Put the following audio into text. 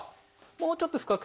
もうちょっと深く？